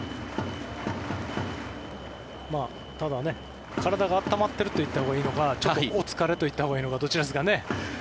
ただ、体が温まってるといっていいのかちょっとお疲れといったほうがいいのかどちらですかね。